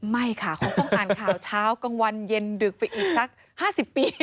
ไม่ค่ะคงต้องอ่านข่าวเช้ากลางวันเย็นดึกไปอีกสัก๕๐ปี